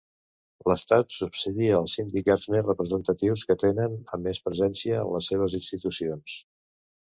L'Estat subsidia als sindicats més representatius, que tenen a més presència en les seves institucions.